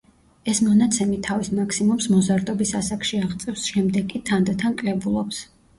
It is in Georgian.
ეს მონაცემი თავის მაქსიმუმს მოზარდობის ასაკში აღწევს, შემდეგ კი თანდათან კლებულობს.